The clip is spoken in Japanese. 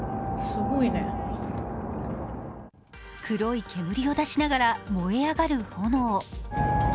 黒い煙を出しながら燃え上がる炎。